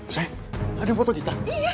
sayang ada foto kita